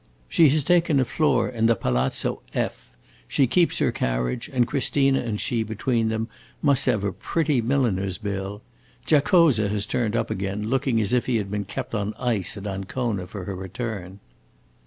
She has taken a floor in the Palazzo F , she keeps her carriage, and Christina and she, between them, must have a pretty milliner's bill. Giacosa has turned up again, looking as if he had been kept on ice at Ancona, for her return."